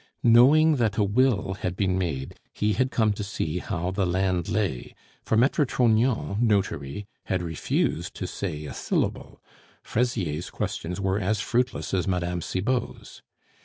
Knowing that a will had been made, he had come to see how the land lay, for Maitre Trognon, notary, had refused to say a syllable Fraisier's questions were as fruitless as Mme. Cibot's.